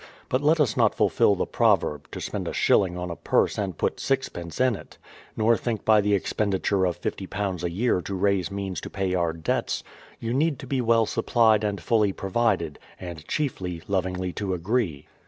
But let us not fulfill the proverb; to spend a shilling on a purse and put sixpence in it; nor think by the expenditure of £50 a year to raise means to pay our debts ; you need to be well supplied and fully provided, — and, chiefl} , lovingl}' to agree.